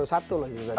baru satu lagi